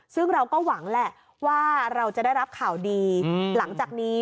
ซึ่งเราก็หวังแหละว่าเราจะได้รับข่าวดีหลังจากนี้